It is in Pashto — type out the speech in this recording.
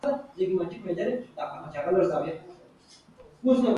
پر وچو او غم لړلو شونډو به یې د خندا څپې نڅولې.